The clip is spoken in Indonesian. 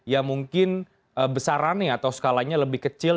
ya mungkin besarannya atau skalanya lebih kecil